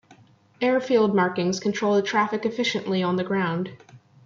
Airfield markings control the traffic efficiently on the ground.